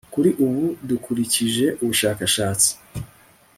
kuri ubu dukurikije ubushakashatsi